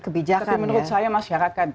kebijakan tapi menurut saya masyarakat